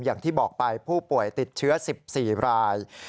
อย่างที่บอกไปผู้ป่วยติดเชื้อ๑๔ราย